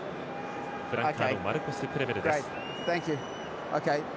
フランカーのマルコス・クレメル。